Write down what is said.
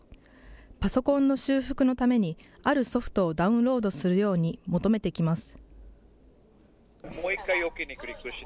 パソコンの修復のためにあるソフトをダウンロードするように求めてきます。